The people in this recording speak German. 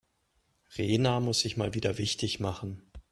Rena muss sich mal wieder wichtig machen.